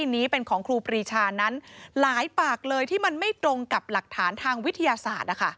นี้เป็นของครูปรีชานั้นหลายปากเลยที่มันไม่ตรงกับหลักฐานทางวิทยาศาสตร์